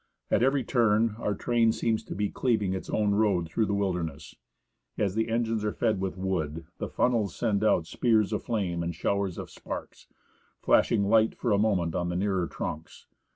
At every turn, our train seems to be cleaving its own road through the wilderness. As the engines are fed with wood, the funnels send out spears of flame and showers of sparks, flash ing liaht for a moment on the nearer trunks.